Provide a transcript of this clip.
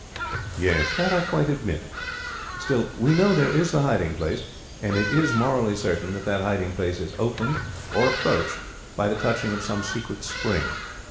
"That I quite admit. Still we know there is the hiding place, and it is morally certain that that hiding place is opened or approached by the touching of some secret spring.